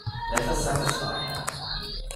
Let us satisfy her.